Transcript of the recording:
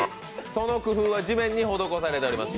その工夫は地面に施されております。